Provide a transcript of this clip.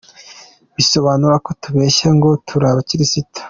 bisobanura ko tubeshya ngo turi abakristo.